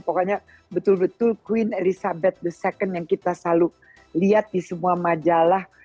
pokoknya betul betul queen elizabeth the second yang kita selalu lihat di semua majalah